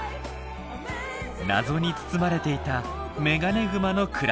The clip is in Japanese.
謎に包まれていたメガネグマの暮らし。